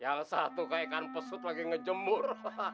yang satu kayak ikan pesut lagi ngejemur